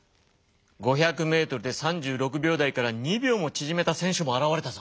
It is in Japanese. ５００メートルで３６秒台から２秒もちぢめた選手も現れたぞ。